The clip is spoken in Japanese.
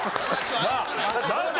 なあ！